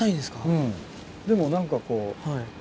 うんでも何かこう。